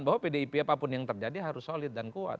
bahwa pdip apapun yang terjadi harus solid dan kuat